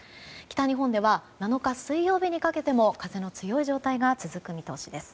北日本では７日水曜日にかけても風の強い状態が続く見通しです。